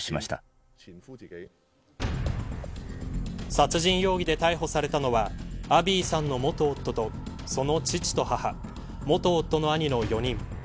殺人容疑で逮捕されたのはアビーさんの元夫とその父と母元夫の兄の４人。